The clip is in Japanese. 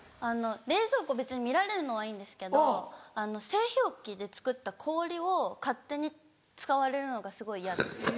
冷蔵庫別に見られるのはいいんですけど製氷機で作った氷を勝手に使われるのがすごい嫌です。